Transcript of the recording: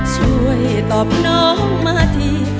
ช่วยตอบน้องมาที